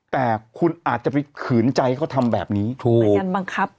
แต่คุณอาจจะไปขืนใจเขาทำแบบนี้ถูกในการบังคับ